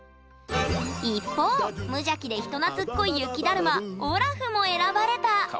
一方無邪気で人懐っこい雪だるまオラフも選ばれた！